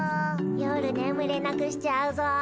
夜ねむれなくしちゃうぞ。